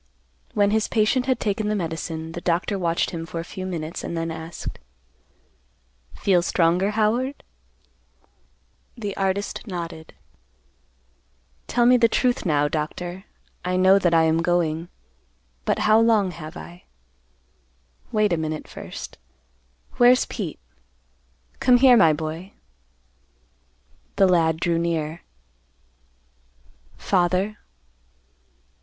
When his patient had taken the medicine, the doctor watched him for a few minutes, and then asked, "Feel stronger, Howard?" The artist nodded. "Tell me the truth, now, Doctor. I know that I am going. But how long have I? Wait a minute first. Where's Pete? Come here, my boy." The lad drew near. "Father."